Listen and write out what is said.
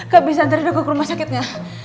kak bisa antarin aku ke rumah sakitnya